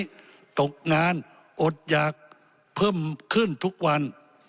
คนร้ายที่อยู่ทุกวันนี้ตกงานอดอยากเพิ่มขึ้นทุกวัน